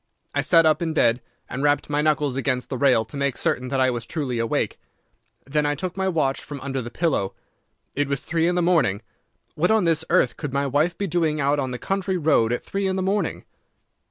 I sat up in bed and rapped my knuckles against the rail to make certain that I was truly awake. Then I took my watch from under the pillow. It was three in the morning. What on this earth could my wife be doing out on the country road at three in the morning?